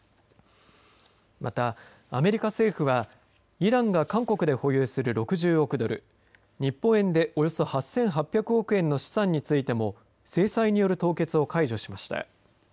また、アメリカ政府はイランが韓国で保有する６０億ドル日本円で、およそ８８００億円の資産についても制裁による凍結を解除しました。